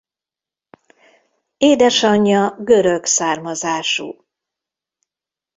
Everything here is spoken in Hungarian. Édesanyja görög származású.